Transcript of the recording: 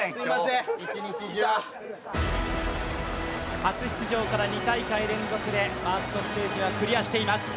初出場から２大会連続でファーストステージはクリアしています。